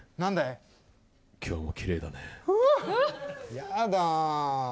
やだ！